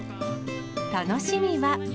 楽しみは。